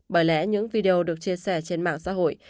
bởi lẽ những video được chia sẻ trên mạng xã hội